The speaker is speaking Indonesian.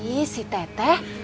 ih si teteh